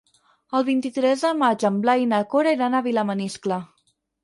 El vint-i-tres de maig en Blai i na Cora iran a Vilamaniscle.